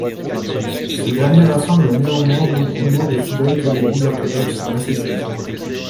Ce dernier rassemble néanmoins beaucoup moins de fidèles que l'Église orthodoxe macédonienne.